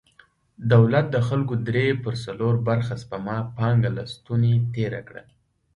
دولت د خلکو درې پر څلور برخه سپما پانګه له ستونې تېره کړه.